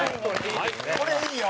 これいいよ！